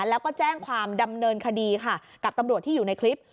แล้วก็แจ้งความดำเนินคดีค่ะกับตำรวจที่อยู่ในคลิป